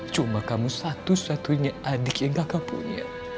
cuma kamu satu satunya adik yang kakak punya